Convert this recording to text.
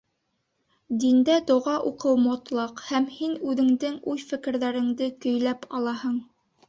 Диндә доға уҡыу мотлаҡ, һәм һин үҙеңдең уй-фекерҙәреңде көйләп алаһың.